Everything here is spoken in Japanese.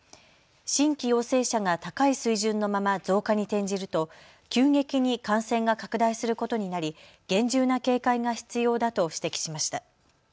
新規陽性者が高い水準のまま増加に転じると急激に感染が拡大することになり厳重な警戒が必要だと指摘しました。